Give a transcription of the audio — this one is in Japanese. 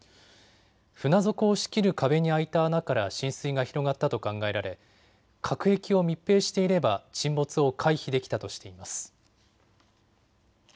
船底を仕切る壁に開いた穴から浸水が広がったと考えられ隔壁を密閉していれば沈没を回避できたとしています。